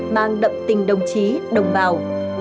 mang đậm tình đồng chí đồng bào